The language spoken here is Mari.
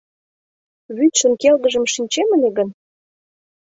Вӱдшын келгыжым шинчем ыле гын